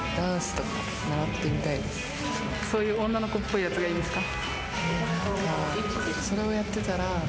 そういう女の子っぽいやつがいいんですか？